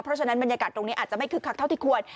เพราะฉะนั้นบรรยากาศตรงนี้อาจจะไม่คึกคักเท่าที่ควร